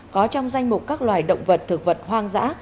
có trong danh mục các loài động vật thực vật hoang dã